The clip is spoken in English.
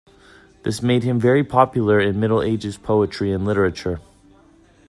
This made him very popular in Middle Ages poetry and literature.